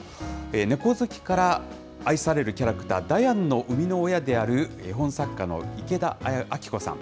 猫好きから愛されるキャラクター、ダヤンの生みの親である絵本作家の池田あきこさん。